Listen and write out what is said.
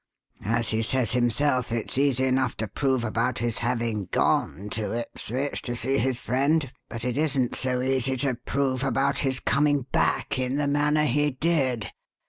As he says himself, it's easy enough to prove about his having gone to Ipswich to see his friend, but it isn't so easy to prove about his coming back in the manner he did.